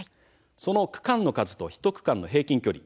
その区間の数と１区間の平均距離